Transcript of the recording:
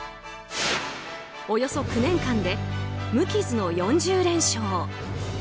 およそ９年間で無傷の４０連勝。